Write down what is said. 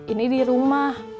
ini di rumah